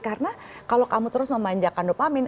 karena kalau kamu terus memanjakan dopamin